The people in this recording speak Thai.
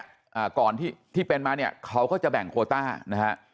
ว่าก่อนที่เป็นมาเขาก็จะแบ่งโควต้านะฮะ